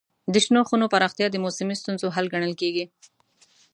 د شنو خونو پراختیا د موسمي ستونزو حل ګڼل کېږي.